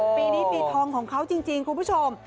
ปีนี้ปีทองของเขาจริงคุณผู้ชม